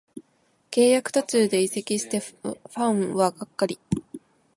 契約途中で移籍してファンはがっかり